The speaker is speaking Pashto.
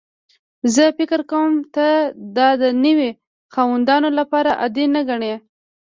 زه فکر کوم ته دا د نوي خاوندانو لپاره عادي نه ګڼې